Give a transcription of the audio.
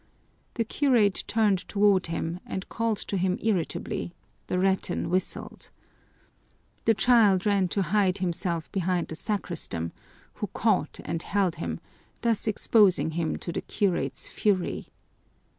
The curate turned toward him and called to him irritably, the rattan whistled. The child ran to hide himself behind the sacristan, who caught and held him, thus exposing him to the curate's fury.